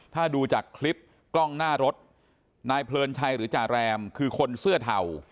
ถ้าดูจากคลิปกล้องหน้ารถนายเพลินชัยหรือจาแรมคือคนเสื้อเทา